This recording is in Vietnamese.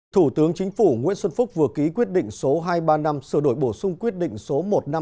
thủ tướng chính phủ nguyễn xuân phúc vừa ký quyết định số hai trăm ba mươi năm sửa đổi bổ sung quyết định số một nghìn năm trăm hai mươi bảy